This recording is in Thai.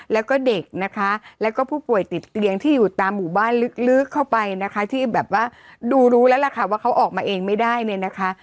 แล้วก็เด็กนะคะแล้วก็ผู้ป่วยติดเตียงที่อยู่ตามหมู่บ้านลึกเข้าไปนะคะที่แบบว่าดูรู้แล้วล่ะค่ะว่าเขาออกมาเองไม่ได้เนี่ยนะคะ